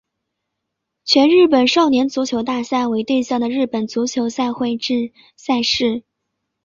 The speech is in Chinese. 全日本少年足球大赛为对象的日本足球赛会制赛事。